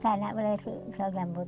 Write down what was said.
saya tidak ingin menjemput